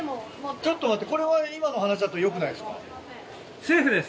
ちょっと待ってこれは今の話だとよくないですか？